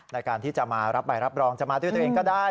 ในการที่จะมารับใบรับรองจะมาด้วยตัวเองก็ได้